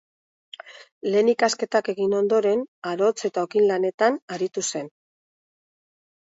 Lehen ikasketak egin ondoren, arotz- eta okin-lanetan aritu zen.